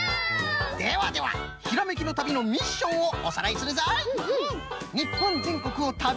ではではひらめきの旅のミッションをおさらいするぞ！